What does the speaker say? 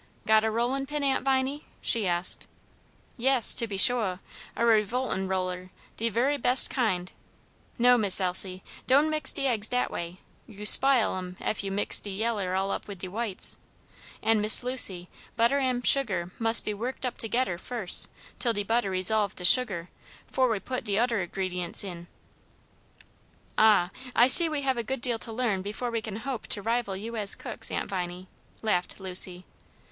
"Got a rollin' pin, Aunt Viney?" she asked. "Yes, to be shuah, a revoltin' roller, de very bes' kind. No, Miss Elsie, don' mix de eggs dat way, you spile 'em ef you mix de yaller all up wid de whites. An' Miss Lucy, butter an' sugar mus' be worked up togedder fus', till de butter resolve de sugah, 'fore we puts de udder gredinents in." "Ah, I see we have a good deal to learn before we can hope to rival you as cooks, Aunt Viney," laughed Lucy.